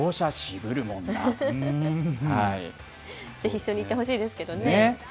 一緒に行ってほしいですけどね。